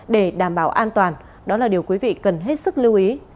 để đảm bảo an toàn đó là điều quý vị cần hết sức lưu ý